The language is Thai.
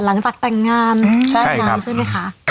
หลังจากแต่งงานใช่ไหมคะ